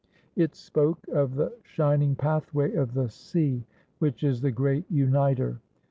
It spoke of the shining pathway of the sea which is the Great Uniter.